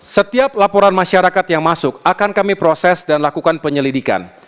setiap laporan masyarakat yang masuk akan kami proses dan lakukan penyelidikan